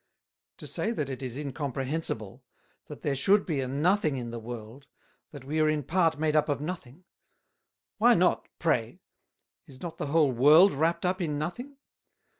To say that it is incomprehensible, that there should be a Nothing in the World, that we are in part made up of Nothing: Why not, pray? Is not the whole World wrapt up in Nothing?